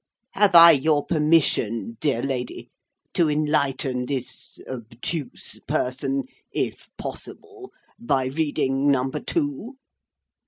Have I your permission, dear lady, to enlighten this obtuse person, if possible, by reading Number Two?"